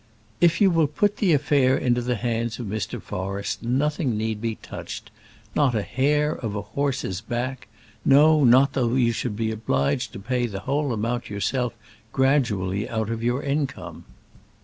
"If you will put the affair into the hands of Mr. Forrest, nothing need be touched, not a hair of a horse's back; no, not though you should be obliged to pay the whole amount yourself, gradually out of your income.